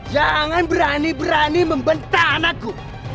jangan berani berani membenta anakku